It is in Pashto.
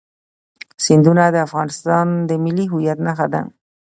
سیندونه د افغانستان د ملي هویت نښه ده.